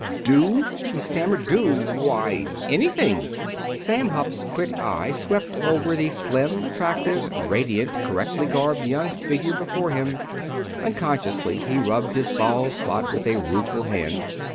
"Do!" he stammered. "Do! Why anything " Sam Hupp's quick eye swept over the slim, attractive, radiant, correctly garbed young figure before him. Unconsciously he rubbed his bald spot with a rueful hand.